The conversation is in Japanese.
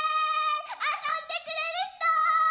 遊んでくれる人？